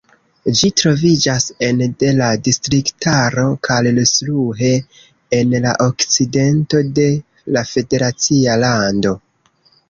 Ĝi troviĝas ene de la distriktaro Karlsruhe, en la okcidento de la federacia lando.